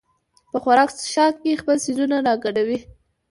په خوراک څښاک کې خپل څیزونه راګډوي.